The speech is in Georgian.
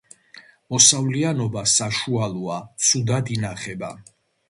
მოსავლიანობა საშუალოა, ცუდად ინახება.